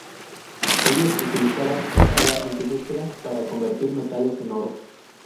Ellos utilizaban esta agua en su búsqueda para convertir metales en oro.